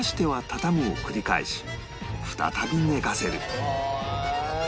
再び寝かせる